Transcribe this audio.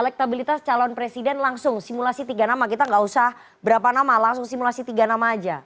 kita gak usah berapa nama langsung simulasi tiga nama aja